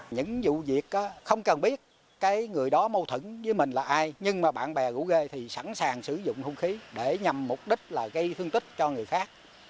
những vụ việc không cần biết cái người đó mâu thẫn với mình là ai nhưng mà bạn bè gũ ghê thì sẵn sàng sử dụng hung khí để nhằm mục đích là gây thương tích cho người khác